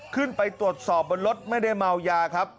ขึ้นไปตรวจสอบบนรถไม่ได้เมายาครับ